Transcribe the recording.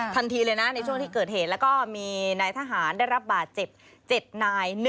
ทันทีเลยนะในช่วงที่เกิดเหตุแล้วก็มีนายทหารได้รับบาดเจ็บ๗นาย